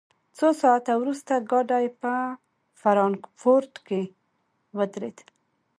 څو ساعته وروسته ګاډی په فرانکفورټ کې ودرېد